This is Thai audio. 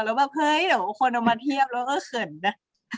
แล้วแบบเฮ้ยเดี๋ยวคนเอามาเทียบแล้วก็เขินนะ